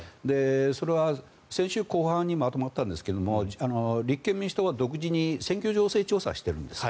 それは先週後半にまとまったんですが立憲民主党は独自に選挙情勢調査をしているんです。